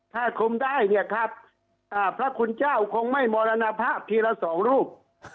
ถ้าคุมได้เนี่ยครับพระคุณเจ้าคงไม่มรณภาพทีละสองรูป